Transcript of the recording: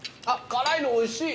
辛いのおいしい。